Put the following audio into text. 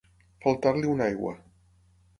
Faltar-li una aigua.